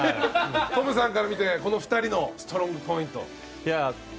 トムさんから見てこの２人のストロングポイントは？